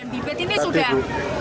pembagian bibit ini sudah